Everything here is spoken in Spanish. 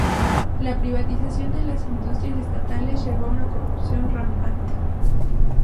La privatización de las industrias estatales llevó a una corrupción rampante.